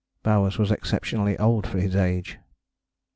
Bowers was exceptionally old for his age.